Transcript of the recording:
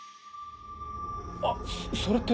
あっそれって。